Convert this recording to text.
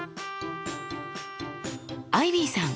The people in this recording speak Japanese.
アイビーさん